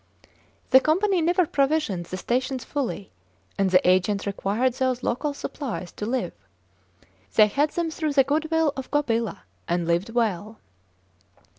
The Company never provisions the stations fully, and the agents required those local supplies to live. They had them through the good will of Gobila, and lived well.